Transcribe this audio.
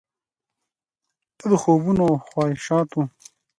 ته د خوبونو او خواهشاتو،